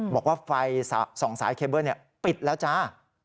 บอกว่าไฟ๒สายเคเบิ้ลปิดแล้วจ้า